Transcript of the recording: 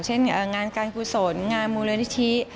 เช่นงานการผู้สนงานมูลเรือนทิศ